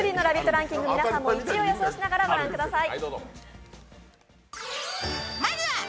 ランキング、皆さんも予想しながらご覧ください。